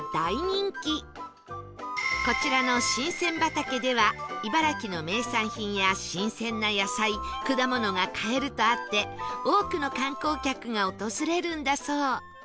こちらのしんせん畑では茨城の名産品や新鮮な野菜果物が買えるとあって多くの観光客が訪れるんだそう